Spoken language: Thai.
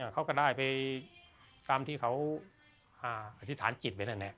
เขาก็ได้ไปตามที่เขาอธิษฐานจิตไว้นั่นแหละ